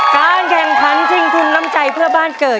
การแข่งขันที่คุณรำใจเพื่อบ้านเกิด